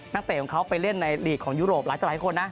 นักเตะของเขาไปเล่นในหลีกของยุโรปหลายคนนะ